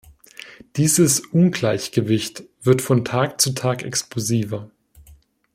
Dieses Ungleichgewicht wird von Tag zu Tag explosiver.